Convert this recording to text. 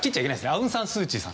アウンサンスーチーさん。